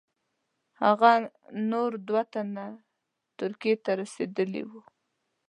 هغه نور دوه تنه ترکیې ته رسېدلي وه.